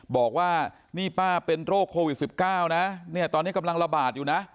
บอกว่านี่ป้าเป็นโรคโควิด๑๙นะเนี่ยตอนนี้กำลังระบาดอยู่นะ